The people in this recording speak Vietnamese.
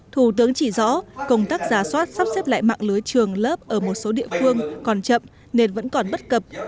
thủ tướng chỉ rõ công tác giá soát sắp xếp lại mạng lưới trường lớp ở một số địa phương còn chậm nên vẫn còn bất cập